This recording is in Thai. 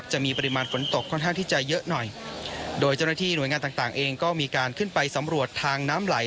จะมีปริมาณฝนตกค่อนข้างที่จะเยอะหน่อยโดยเจ้าหน้าที่หน่วยงานต่างต่างเองก็มีการขึ้นไปสำรวจทางน้ำไหล